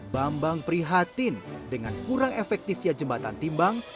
bambang prihatin dengan kurang efektifnya jembatan timbang